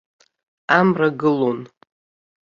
Амра гылон.